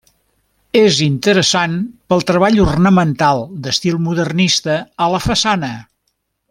És interessant pel treball ornamental d'estil modernista a la façana.